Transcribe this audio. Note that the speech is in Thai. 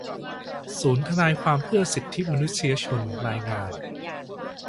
ศูนย์ทนายความเพื่อสิทธิมนุษยชน รายงาน